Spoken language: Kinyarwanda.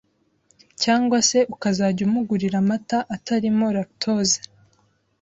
cg se ukazajya umugurira amata atarimo lactose